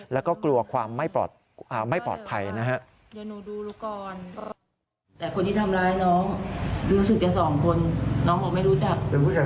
และก็กลัวความไม่ปลอดภัยนะครับ